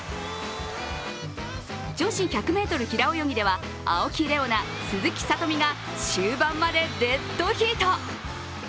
女子１００ｍ平泳ぎでは、青木玲緒樹、鈴木聡美が終盤までデッドヒート。